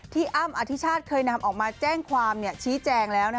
อ้ำอธิชาติเคยนำออกมาแจ้งความชี้แจงแล้ว